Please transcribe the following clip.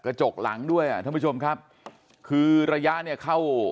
กระจกหลังด้วยอ่ะท่านผู้ชมครับคือระยะเนี่ยเข้า